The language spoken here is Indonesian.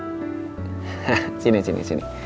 hah sini sini sini